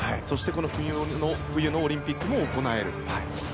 そしてこの冬のオリンピックも行える。